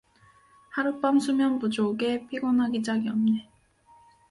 하룻밤 수면 부족에 피곤하기 짝이 없네.